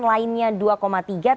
lainnya dua tiga persen